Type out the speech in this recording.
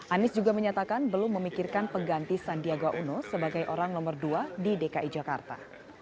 anies juga menyatakan belum memikirkan pengganti sandiaga uno sebagai orang nomor dua di dki jakarta